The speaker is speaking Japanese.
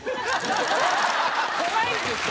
怖いんですよ。